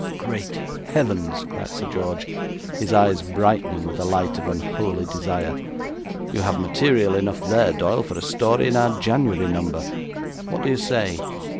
'Great heavens!' cried Sir George, his eyes brightening with the light of unholy desire, 'you have material enough there, Doyle, for a story in our January number. What do you say?'